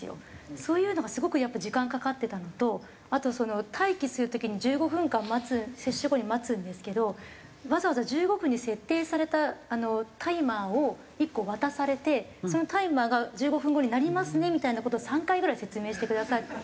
そういうのがすごくやっぱり時間かかっていたのとあと待機する時に１５分間待つ接種後に待つんですけどわざわざ１５分に設定されたタイマーを１個渡されてそのタイマーが１５分後に鳴りますねみたいな事を３回ぐらい説明してくださったりとかするんですね。